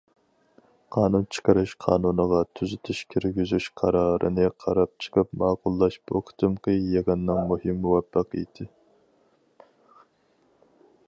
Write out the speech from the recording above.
قانۇن چىقىرىش قانۇنىغا تۈزىتىش كىرگۈزۈش قارارنى قاراپ چىقىپ ماقۇللاش بۇ قېتىمقى يىغىننىڭ مۇھىم مۇۋەپپەقىيىتى.